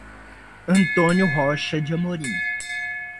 Antônio Rocha de Amorim